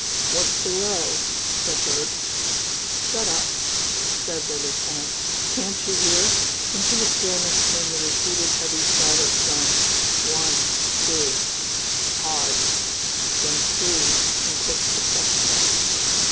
"What's the row?" said Bert. "Shut up!" said the lieutenant. "Can't you hear?" Into the stillness came the repeated heavy thud of guns, one, two, a pause, then three in quick succession.